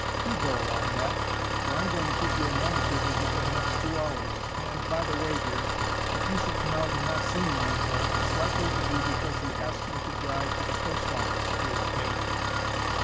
Do go along, Ned; for I'm going to keep your manager busy for the next two hours. And, by the way, dear, if you should come out and not see me anywhere, it's likely to be because he's asked me to drive to the post office with him."